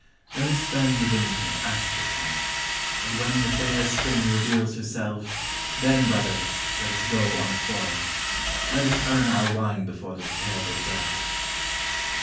Let us spend the winter in Astrakhan; And when the fair Spring reveals herself, Then, brothers, let us go on a foray; Let us earn our wine before the terrible czar!